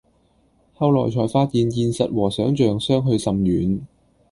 後來才發現現實和想像相去甚遠